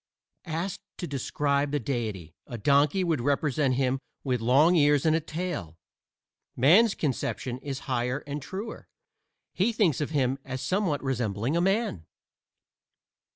Asked to describe the Deity, a donkey would represent him with long ears and a tail. Man's conception is higher and truer: he thinks of him as somewhat resembling a man.